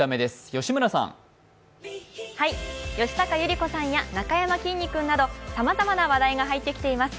吉高由里子さんやなかやまきんに君などさまざまな話題が入ってきています。